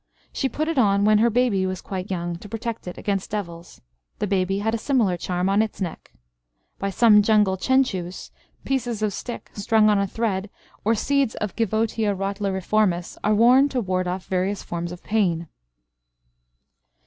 She put it on when her baby was quite young, to protect it against devils. The baby had a similar charm on its neck. By some jungle Chenchus pieces of stick strung on a thread, or seeds of Givotia rottleriformis are worn, to ward off various forms of pain.